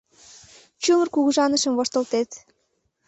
Чумыр кугыжанышым воштылтет».